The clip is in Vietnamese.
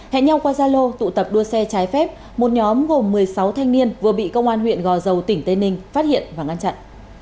hẹn nhau qua gia lô tụ tập đua xe trái phép một nhóm gồm một mươi sáu thanh niên vừa bị công an huyện gò dầu tỉnh tây ninh phát hiện và ngăn chặn